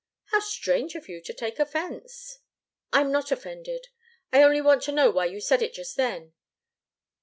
How strange of you to take offence!" "I'm not offended. I only want to know why you said it just then.